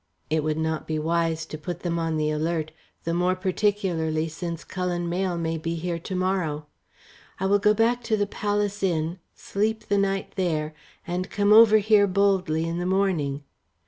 "It would not be wise to put them on the alert, the more particularly since Cullen Mayle may be here to morrow. I will go back to the 'Palace' Inn, sleep the night there, and come over here boldly in the morning."